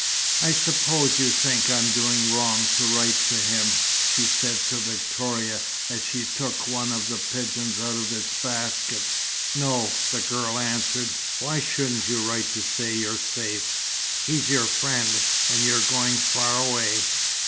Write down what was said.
"I suppose you think I'm doing wrong to write to him?" she said to Victoria, as she took one of the pigeons out of its basket. "No," the girl answered. "Why shouldn't you write to say you're safe? He's your friend, and you're going far away."